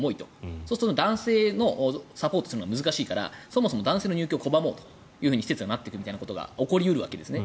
そうすると男性のサポートをするのが難しいからそもそも男性の入居を拒もうと施設がなってくるということになり得るわけですね。